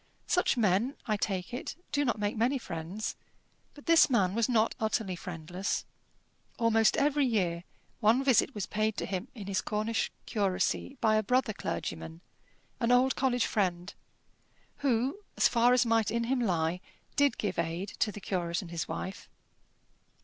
Such men, I take it, do not make many friends. But this man was not utterly friendless. Almost every year one visit was paid to him in his Cornish curacy by a brother clergyman, an old college friend, who, as far as might in him lie, did give aid to the curate and his wife.